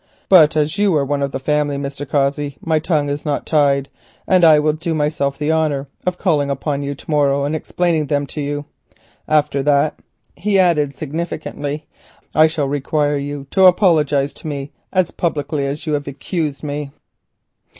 But as you are one of the family, Mr. Cossey, my tongue is not tied, and I will do myself the honour of calling upon you to morrow and explaining them to you. After that," he added significantly, "I shall require you to apologise to me as publicly as you have accused me."